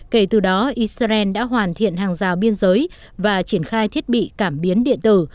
kể từ đó israel đã hoàn thiện hàng rào biên giới và triển khai thiết bị cảm biến điện tử